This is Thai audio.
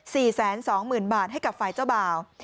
แสนสองหมื่นบาทให้กับฝ่ายเจ้าบ่าว